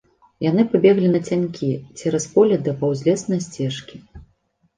Яны пабеглі нацянькі цераз поле да паўзлеснай сцежкі.